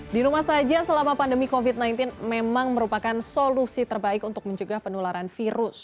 di rumah saja selama pandemi covid sembilan belas memang merupakan solusi terbaik untuk mencegah penularan virus